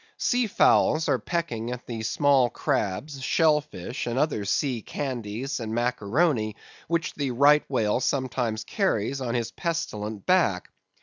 Sea fowls are pecking at the small crabs, shell fish, and other sea candies and maccaroni, which the Right Whale sometimes carries on his pestilent back.